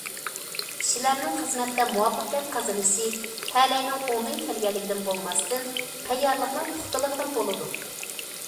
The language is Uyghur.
كىشىلەرنىڭ خىزمەتتە مۇۋەپپەقىيەت قازىنىشى تەلەينىڭ ئوڭدىن كەلگەنلىكىدىن بولماستىن، تەييارلىقىنىڭ پۇختىلىقىدىن بولىدۇ.